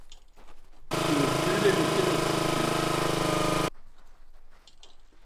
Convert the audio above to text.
Connais-tu les mathématiques ?